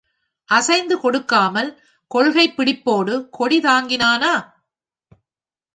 அசைந்து கொடுக்காமல் கொள்கைப் பிடிப்போடு கொடி தாங்கினானா?